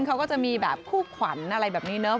เขาก็จะมีแบบคู่ขวัญอะไรแบบนี้เนาะ